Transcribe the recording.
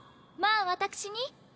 まあ私に？